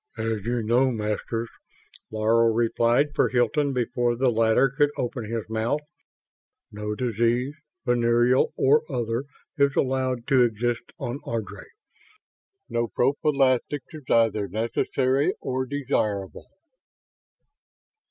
"As you know, Masters," Laro replied for Hilton before the latter could open his mouth, "no disease, venereal or other, is allowed to exist on Ardry. No prophylaxis is either necessary or desirable."